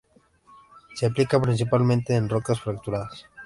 Se aplica principalmente en rocas fracturadas.